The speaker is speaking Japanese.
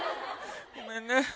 ごめんね。